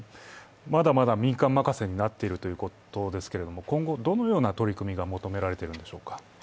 まだまだ民間任せになっているということですが、今後、どのような取り組みが求められているのでしょうか？